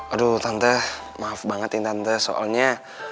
aduh tante maaf bangetin tante soalnya